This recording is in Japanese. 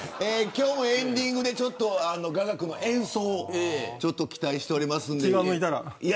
今日もエンディングで雅楽の演奏を期待しております。